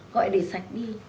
gọi để sạch đi